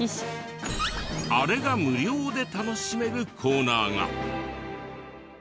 あれが無料で楽しめるコーナーが。